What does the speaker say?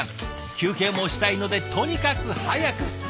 休憩もしたいので「とにかく早く」がポイント。